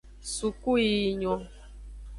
Sukuyiyi nyon.